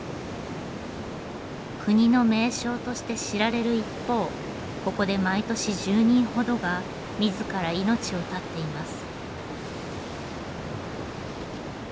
国の名勝として知られる一方ここで毎年１０人ほどが自ら命を絶っています。